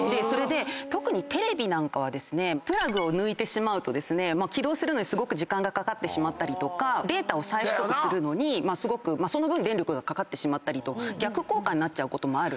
特にテレビなんかはですねプラグを抜いてしまうと起動するのにすごく時間がかかってしまったりとかデータを再取得するのにその分電力がかかってしまったりと逆効果になっちゃうこともある。